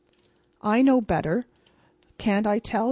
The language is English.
"I know better. Can't I tell?